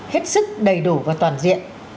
hết sức đầy đủ và toàn diện